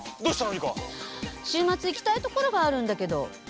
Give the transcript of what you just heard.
週末行きたい所があるんだけど。